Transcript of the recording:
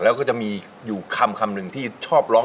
แล้วก็จะมีอยู่คำหนึ่งที่ชอบร้อง